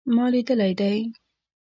ما لیدلی دی